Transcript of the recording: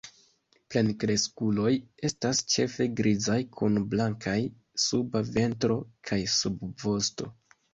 Plenkreskuloj estas ĉefe grizaj kun blankaj suba ventro kaj subvosto.